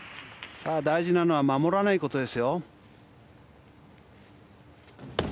大事なのは守らないことです。